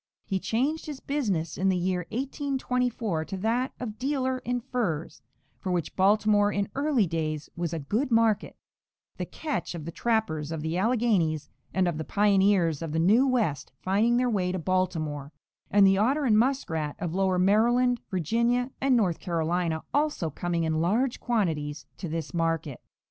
He changed his business in the year 1824 to that of dealer in furs, for which Baltimore in early days was a good market, the catch of the trappers of the Alleghanies and of the pioneers of the new West finding their way to Baltimore, and the otter and muskrat of lower Maryland, Virginia and North Carolina also coming in large quantities to this market.